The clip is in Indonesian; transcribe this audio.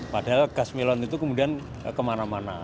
padahal gas melon itu kemudian kemana mana